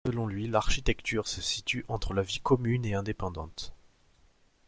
Selon lui l’architecture se situe entre la vie commune et indépendante.